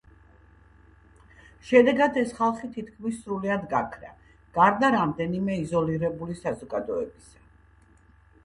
შედეგად, ეს ხალხი თითქმის სრულად გაქრა, გარდა რამდენიმე იზოლირებული საზოგადოებისა.